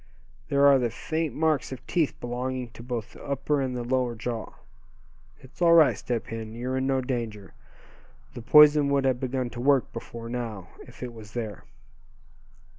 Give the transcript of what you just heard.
There are the faint marks of teeth belonging to both the upper and the lower jaw. It's all right, Step Hen; you're in no danger. The poison would have begun to work before now, if it was there."